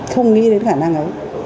không nghĩ đến khả năng ấy